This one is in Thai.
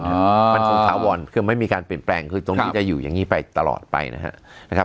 มันส่งถาวรคือไม่มีการเปลี่ยนแปลงคือตรงนี้จะอยู่อย่างนี้ไปตลอดไปนะครับ